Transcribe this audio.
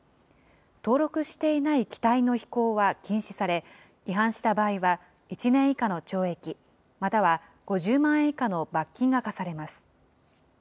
登録していない機体の飛行は禁止され、違反した場合は１年以下の懲役、または５０万円以下の罰金が科されます。